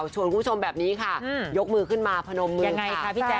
คุณผู้ชมแบบนี้ค่ะยกมือขึ้นมาพนมมือยังไงคะพี่แจ